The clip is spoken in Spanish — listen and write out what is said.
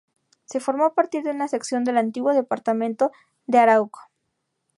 Se formó a partir de una sección del antiguo Departamento de Arauco.